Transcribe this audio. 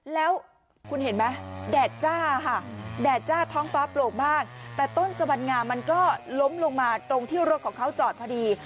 แล้วคุณเห็นไหมแดดจ้าค่ะแดดจ้าท้องฟ้าโปร่งมากแต่ต้นสวรรณงามมันก็ล้มลงมาตรงที่รถของเขาจอดพอดี